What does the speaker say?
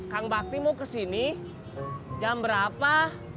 kang bakti mau kesini jam berapa